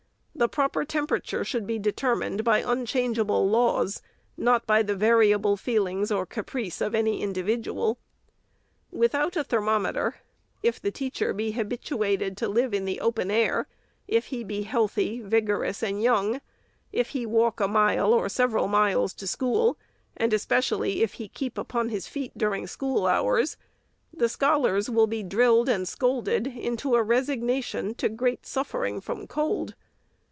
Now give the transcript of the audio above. The proper tempera ture should be determined by unchangeable laws ; not by the variable feelings or caprice of any individual. With out a thermometer, — if the teacher be habituated to live in the open air ; if he be healthy, vigorous, and young ; if he walk a mile or several miles to school ; and espe cially if he keep upon his feet during school hours ;— the scholars will be drilled and scolded into a resignation to great suffering from cold.